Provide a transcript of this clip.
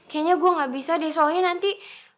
kayaknya gue gak bisa deh soalnya nanti